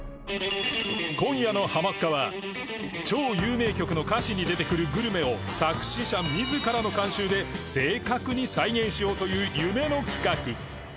今夜の『ハマスカ』は超有名曲の歌詞に出てくるグルメを作詞者自らの監修で正確に再現しようという夢の企画